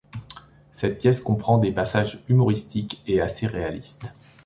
Cette pièce comprend des passages humoristiques et assez réalistes.